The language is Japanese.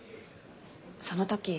その時。